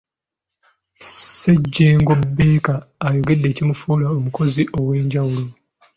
Ssejjengo Baker ayogedde ekimufuula omukozi ow'enjawulo.